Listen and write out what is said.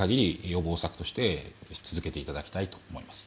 予防策としてし続けていただきたいと思います。